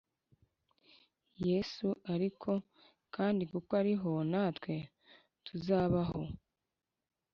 yesu ariho, kandi kuko ariho natwe tuzabaho